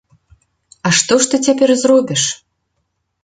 А што ж ты цяпер зробіш?